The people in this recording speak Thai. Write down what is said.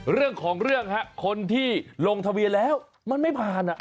เรื่องของเรื่องฮะคนที่ลงทะเบียนแล้วมันไม่ผ่าน